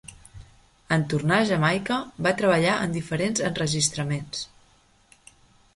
En tornar a Jamaica va treballar en diferents enregistraments.